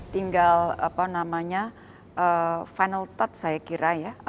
tinggal final touch saya kira ya